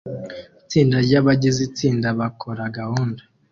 itsinda ryabagize itsinda bakora gahunda